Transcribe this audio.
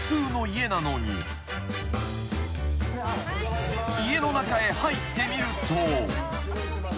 ［家の中へ入ってみると］